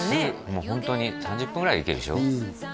もうホントに３０分ぐらいで行けるでしょ？